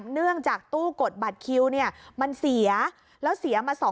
เนื่องจากตู้กดบัติคิ้วมันเสีย